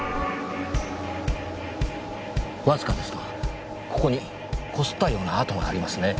わずかですがここにこすったような跡がありますね。